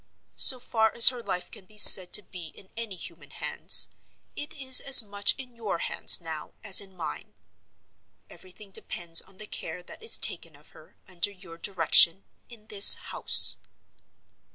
So far as her life can be said to be in any human hands, it is as much in your hands now as in mine. Everything depends on the care that is taken of her, under your direction, in this house."